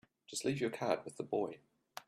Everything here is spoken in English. Just leave your card with the boy.